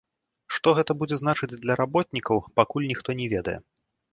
Што гэта будзе значыць для работнікаў, пакуль ніхто не ведае.